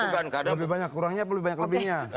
bukan kadang lebih banyak kurangnya atau lebih banyak lebihnya